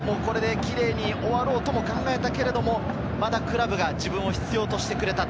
天皇杯優勝、これでキレイに終わろうとも考えたけれど、まだクラブが自分を必要としてくれた。